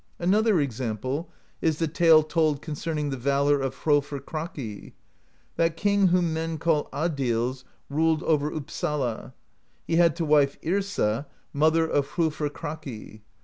" Another example is the tale told concerning the valor of Hrolfr Kraki: That king whom men call Adils ruled over Uppsala; he had to wife Yrsa, mother of Hrolfr Kraki.